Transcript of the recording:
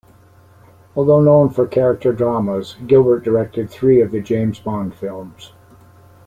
Although known for character dramas, Gilbert directed three of the James Bond films.